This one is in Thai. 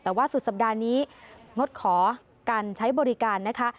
แต่ว่าสุดสัปดาห์นี้งดขอการใช้บริการนะคะ